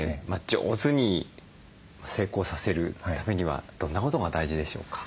上手に成功させるためにはどんなことが大事でしょうか？